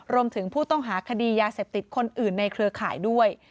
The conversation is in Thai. รวมถึงผู้ต้องหาคดียาเสพติดคนอื่นในเครือข่ายด้วย